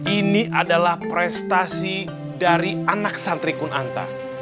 ini adalah prestasi dari anak santri kun anta